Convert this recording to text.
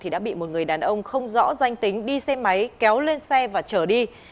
đã bị một người đàn ông không rõ danh tính đi xe máy kéo lên xe và chở đi